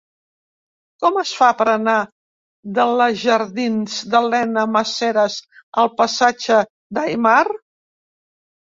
Com es fa per anar de la jardins d'Elena Maseras al passatge d'Aymar?